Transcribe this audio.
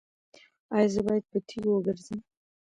ایا زه باید په تیږو وګرځم؟